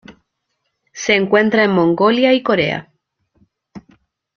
Se encuentra en Mongolia y Corea.